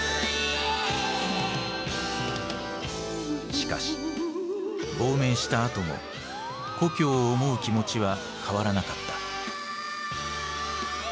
しかし亡命したあとも故郷を思う気持ちは変わらなかった。